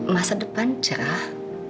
masa depan cerah